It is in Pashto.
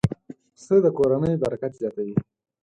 پسه د کورنۍ برکت زیاتوي.